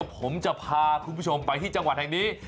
ผมจะพาคุณผู้ชมไปที่จังหวัดแห่งนี้